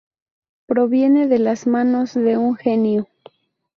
Proviene de las manos de un genio".